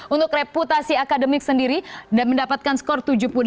untuk reputasi akademik sendiri dan mendapatkan skor tujuh puluh delapan